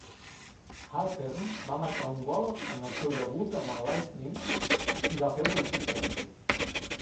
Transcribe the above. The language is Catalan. Halpern va marcar un gol en el seu debut amb el Lightning, i va fer una assistència.